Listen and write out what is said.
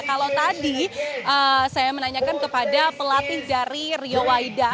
kalau tadi saya menanyakan kepada pelatih dari rio waida